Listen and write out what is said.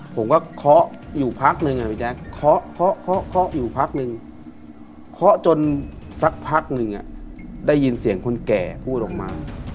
เขาก็เคาะอยู่พักหนึ่งพี่แจ๊คเคาะอยู่พักนึงเคาะจนสักพักหนึ่งได้ยินเสียงคนแก่พูดออกมา